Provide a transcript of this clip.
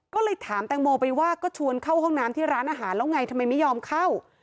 ก็เลยถามแตงโมไปว่าก็ชวนเข้าห้องน้ำที่ร้านอาหารแล้วไงทำไมไม่ยอมเข้า